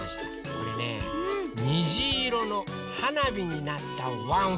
これねにじいろのはなびになったワンワンをかいてくれました。